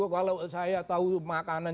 kalau saya tahu makanan